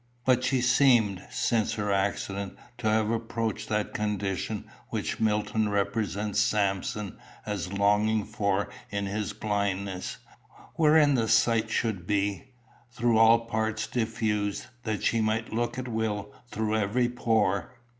But she seemed, since her accident, to have approached that condition which Milton represents Samson as longing for in his blindness, wherein the sight should be "through all parts diffused, That she might look at will through every pore."